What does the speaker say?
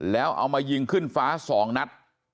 แล้วเอามายิงขึ้นฟ้า๒นัด